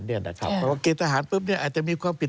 เพราะว่าเกณฑหารปุ๊บอาจจะมีความผิด